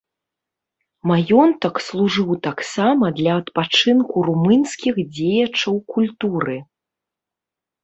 Маёнтак служыў таксама для адпачынку румынскіх дзеячаў культуры.